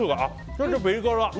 ちょっとピリ辛！